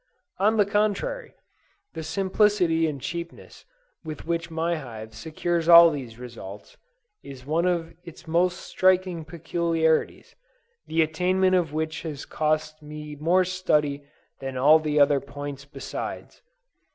On the contrary, the simplicity and cheapness with which my hive secures all these results, is one of its most striking peculiarities, the attainment of which has cost me more study than all the other points besides.